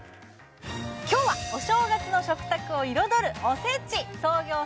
今日はお正月の食卓を彩るおせち創業